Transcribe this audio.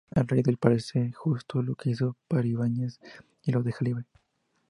Al rey le parece justo lo que hizo Peribáñez y lo deja libre.